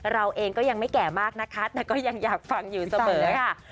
เราเองก็ยังไม่แก่มากนะคะแต่ก็ยังอยากฟังอยู่เสมอค่ะ